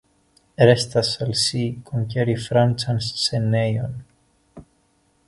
Restas al ŝi konkeri Francan scenejon.